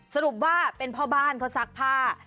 สรุปว่าเป็นพ่อบ้านเขาซักผ้า